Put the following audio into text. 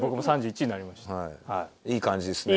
いい感じですね。